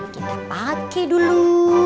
kita pake dulu